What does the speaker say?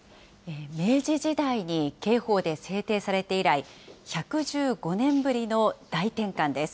明治時代に刑法で制定されて以来、１１５年ぶりの大転換です。